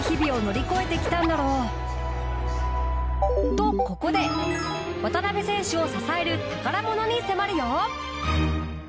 とここで渡邊選手を支える宝物に迫るよ！